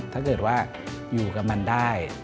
ถ้าเกิดว่าอยู่กับมันได้